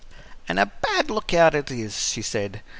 "An' a bad lookout it is," she said.